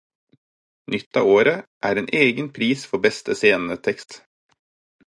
Nytt av året er en egen pris for beste scenetekst.